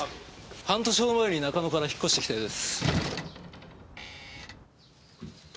半年ほど前に中野から引っ越してきたようです。